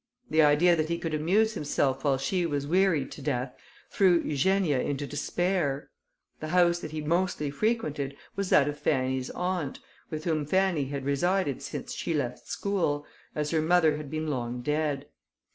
The idea that he could amuse himself while she was wearied to death, threw Eugenia into despair. The house that he mostly frequented, was that of Fanny's aunt, with whom Fanny had resided since she left school, as her mother had been long dead.